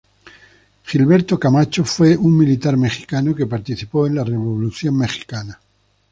Gilberto Camacho fue un militar mexicano que participó en la Revolución mexicana.